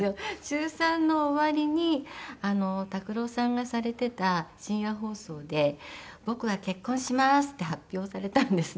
中３の終わりに拓郎さんがされていた深夜放送で「僕は結婚します」って発表されたんですね。